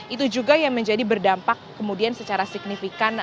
itu juga yang menjadi berdampak kemudian secara signifikan